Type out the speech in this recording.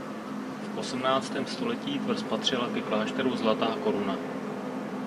V osmnáctém století tvrz patřila ke Klášteru Zlatá Koruna.